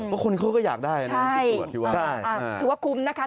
เออคุณเขาก็อยากได้นะที่ตรวจพี่ว่าใช่คุ้มค่ะถือว่าคุ้มนะคะ